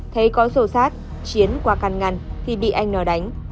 thấy có sổ sát chiến qua căn ngăn thì bị anh n đánh